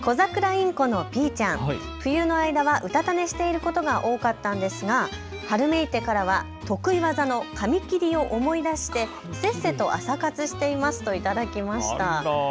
インコのＰちゃん、冬の間はうたた寝していることが多かったんですが春めいてからは得意技の紙切りを思い出して、せっせと朝活していますと頂きました。